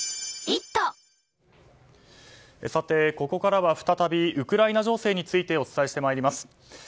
ここからは再びウクライナ情勢についてお伝えしてまいります。